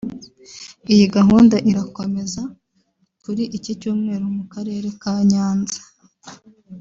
Iyi gahunda irakomeza kuri iki Cyumweru mu karere ka Nyanza